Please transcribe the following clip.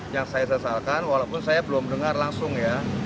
yang saya sesalkan walaupun saya belum dengar langsung ya